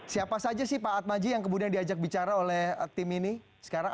siapa saja sih pak atmaji yang kemudian diajak bicara oleh tim ini sekarang